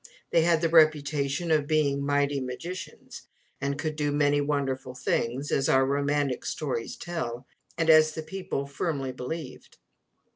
They had the reputation of being mighty magicians, and could do many wonderful things, as our old romantic stories tell, and as the people firmly believed.